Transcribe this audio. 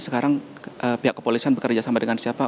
sekarang pihak kepolisian bekerja sama dengan siapa